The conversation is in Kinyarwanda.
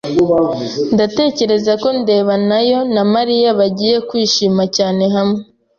Ndatekereza ko ndeba nayo na Mariya bagiye kwishima cyane hamwe.